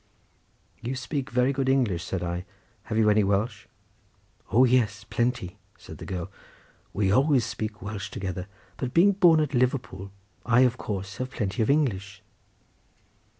"You speak very good English," said I; "have you any Welsh?" "O yes, plenty," said the girl; "we always speak Welsh together, but being born at Liverpool, I of course have plenty of English."